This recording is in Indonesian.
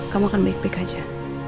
kamu akan baik baik aja